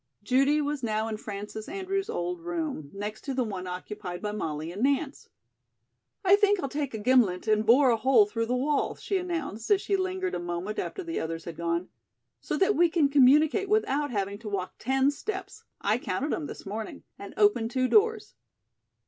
Judy was now in Frances Andrews' old room, next to the one occupied by Molly and Nance. "I think I'll take a gimlet and bore a hole through the wall," she announced as she lingered a moment after the others had gone, "so that we can communicate without having to walk ten steps I counted them this morning and open two doors."